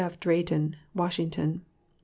F. DRAYTON. WASHINGTON, Nov.